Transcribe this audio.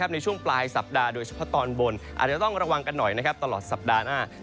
อาจจะต้องระวังกันหน่อยตลอดสัปดาห์หน้า